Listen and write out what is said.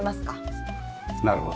なるほど。